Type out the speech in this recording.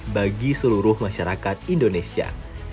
bagi seluruh masyarakat indonesia